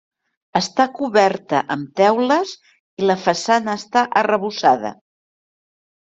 Està coberta amb teules i la façana està arrebossada.